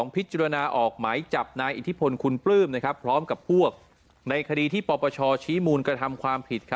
พิจารณาออกหมายจับนายอิทธิพลคุณปลื้มพร้อมกับพวกในคดีที่ปปชชี้มูลกระทำความผิด